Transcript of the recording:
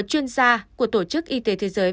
chuyên gia của tổ chức y tế thế giới